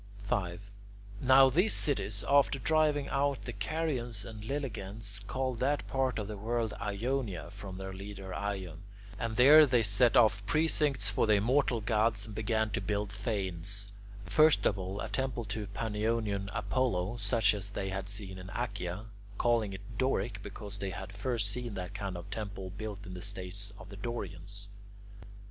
5. Now these cities, after driving out the Carians and Lelegans, called that part of the world Ionia from their leader Ion, and there they set off precincts for the immortal gods and began to build fanes: first of all, a temple to Panionion Apollo such as they had seen in Achaea, calling it Doric because they had first seen that kind of temple built in the states of the Dorians.